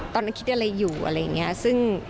ตอนนั้นคิดอะไรอยู่อะไรอย่างนี้